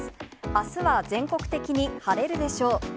あすは全国的に晴れるでしょう。